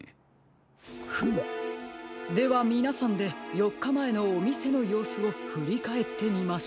フムではみなさんでよっかまえのおみせのようすをふりかえってみましょう。